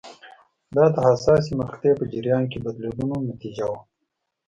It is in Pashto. دا د حساسې مقطعې په جریان کې بدلونونو نتیجه وه.